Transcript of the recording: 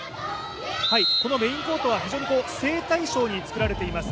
このメインコートは正対象に作られています。